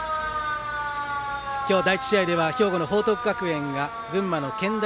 今日第１試合では兵庫の報徳学園が群馬の健大